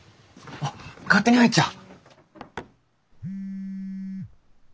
あっ勝手に入っちゃ。